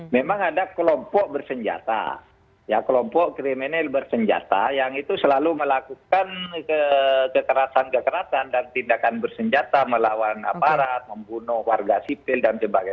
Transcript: memang ada kelompok bersenjata kelompok kriminal bersenjata yang itu selalu melakukan kekerasan kekerasan dan tindakan bersenjata melawan aparat membunuh warga sipil dan sebagainya